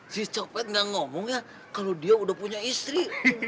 si coklat gak ngomong ya kalau dia udah punya istri